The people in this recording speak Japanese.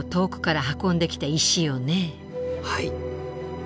はい。